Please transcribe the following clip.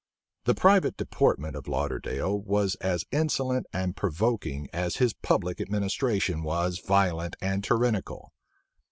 The private deportment of Lauderdale was as insolent and provoking as his public administration was violent and tyrannical.